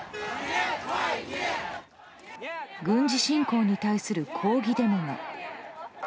軍事侵攻に対する抗議デモが。